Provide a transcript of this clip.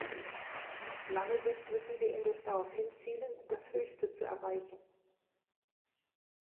Auf lange Sicht müssen wir indes darauf hinzielen, das Höchste zu erreichen.